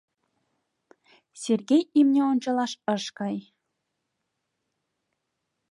Сергей имне ончалаш ыш кай.